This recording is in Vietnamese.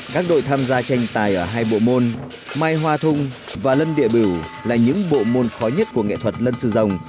các đội tham gia tranh tài ở hai bộ môn mai hoa thung và lân địa biểu là những bộ môn khó nhất của nghệ thuật lân sư rồng